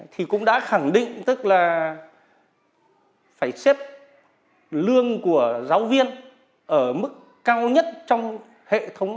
thì cũng đã khẳng định tức là phải xếp lương của giáo viên ở mức cao nhất trong hệ thống